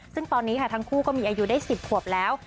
ซึ่งตอนนี้ค่ะทั้งคู่ก็มีอายุได้๑๐ขวบแล้ว